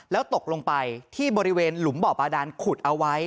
แล้วตกลงไปที่บริเวณหลุมบ่อบาดานขุดเอาไว้